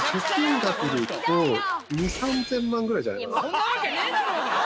そんなわけねえだろ！